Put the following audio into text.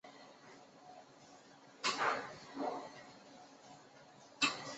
波克罗夫卡市镇是俄罗斯联邦伊尔库茨克州济马区所属的一个市镇。